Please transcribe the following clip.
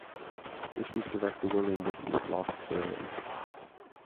This was director William Witney's last serial.